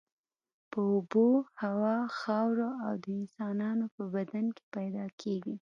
په اوبو، هوا، خاورو او د انسانانو په بدن کې پیدا کیږي.